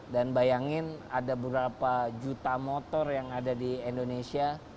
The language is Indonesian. dan bayangin ada berapa juta motor yang ada di indonesia